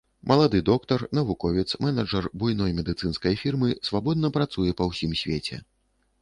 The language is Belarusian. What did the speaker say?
Малады доктар, навуковец, менеджар буйной медыцынскай фірмы свабодна працуе па ўсім свеце.